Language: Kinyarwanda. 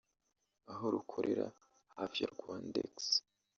aho rukorera hafi ya Rwandex